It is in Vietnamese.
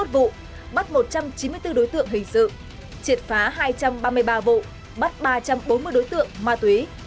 hai mươi một vụ bắt một trăm chín mươi bốn đối tượng hình sự triệt phá hai trăm ba mươi ba vụ bắt ba trăm bốn mươi đối tượng ma túy